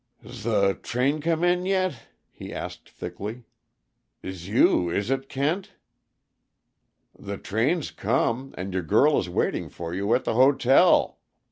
"'S the train come in yet?" he asked thickly. "'S you, is it, Kent?" "The train's come, and your girl is waiting for you at the hotel.